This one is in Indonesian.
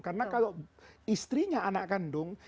karena kalau istrinya anak kandung